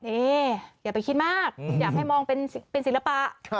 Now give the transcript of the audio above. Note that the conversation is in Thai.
อย่าไปคิดมากอยากให้มองเป็นศิลปะ